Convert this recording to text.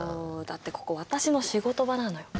だってここ私の仕事場なのよ。